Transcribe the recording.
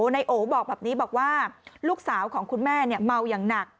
นายโอบอกแบบนี้บอกว่าลูกสาวของคุณแม่เมาอย่างหนัก